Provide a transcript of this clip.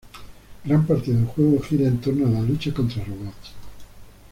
Gran parte del juego gira en torno a la lucha contra robots.